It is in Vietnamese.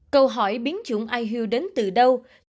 câu hỏi biến chủng ihu đến từ đâu